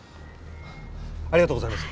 ありがとうございます。